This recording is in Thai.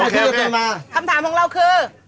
คำถามของเราคือ